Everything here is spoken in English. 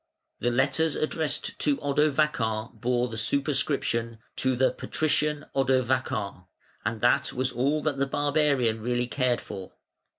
The letters addressed to Odovacar bore the superscription "To the Patrician Odovacar", and that was all that the barbarian really cared for.